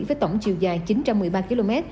với tổng chiều dài chín trăm một mươi ba km